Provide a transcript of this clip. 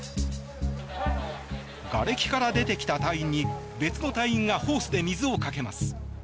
がれきから出てきた隊員に別の隊員がホースで水をかけます。